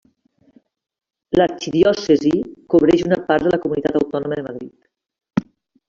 L'arxidiòcesi cobreix una part de la comunitat autònoma de Madrid.